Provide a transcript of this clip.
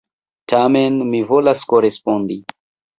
Tamen mi volas korespondi.